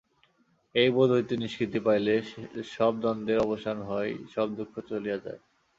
এই বোধ হইতে নিষ্কৃতি পাইলে সব দ্বন্দ্বের অবসান হয়, সব দুঃখ চলিয়া যায়।